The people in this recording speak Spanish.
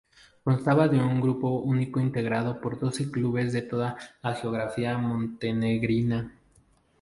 Constaba de un grupo único integrado por doce clubes de toda la geografía montenegrina.